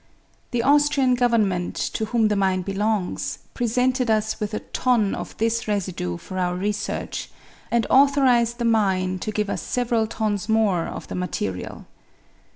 The Austrian Govern ment, to whom the mine belongs, presented us with a ton of this residue for our research, and authorised the mine to give us several tons more of the material.